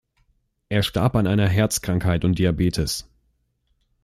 Er starb an einer Herzkrankheit und Diabetes.